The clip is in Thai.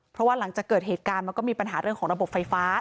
เพราะว่าหลังจากเกิดเหตุการณ์มันก็มีปัญหาเรื่องของระบบไฟฟ้า